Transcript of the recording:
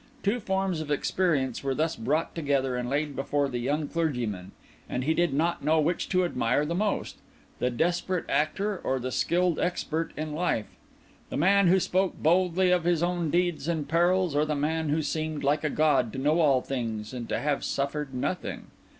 Two forms of experience were thus brought together and laid before the young clergyman; and he did not know which to admire the most—the desperate actor or the skilled expert in life; the man who spoke boldly of his own deeds and perils, or the man who seemed, like a god, to know all things and to have suffered nothing.